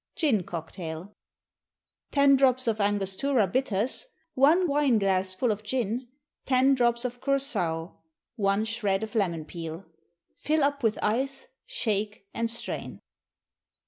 Gin Cocktail. Ten drops of Angostura bitters, one wine glassful of gin, ten drops of curaçoa, one shred of lemon peel. Fill up with ice, shake, and strain.